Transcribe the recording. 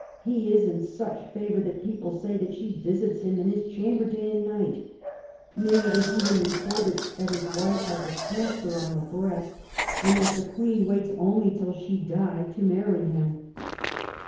He is in such favour that people say that she visits him in his chamber day and night. Nay, it is even reported that his wife has a cancer on the breast, and that the Queen waits only till she die to marry him."